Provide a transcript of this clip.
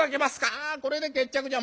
「ああこれで決着じゃ。